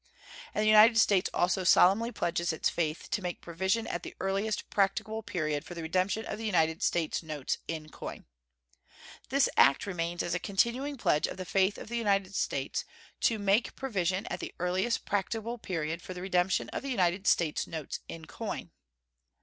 And the United States also solemnly pledges its faith to make provision at the earliest practicable period for the redemption of the United States notes in coin. This act still remains as a continuing pledge of the faith of the United States "to make provision at the earliest practicable period for the redemption of the United States notes in coin."